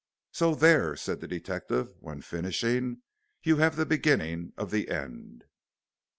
"So there," said the detective, when finishing, "you have the beginning of the end."